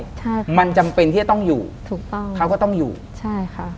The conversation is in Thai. ใช่มันจำเป็นที่จะต้องอยู่ถูกต้องเขาก็ต้องอยู่ใช่ค่ะ